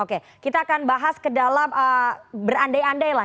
oke kita akan bahas ke dalam berandai andai lah